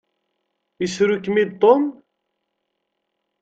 Isru-kem-id Tom?